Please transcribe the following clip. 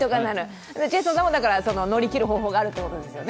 ジェイソンさんは乗り切る方法があるということですよね？